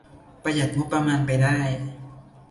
ประหยัดงบประมาณไปได้